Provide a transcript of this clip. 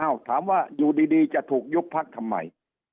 ถามว่าอยู่ดีจะถูกยุบพักทำไม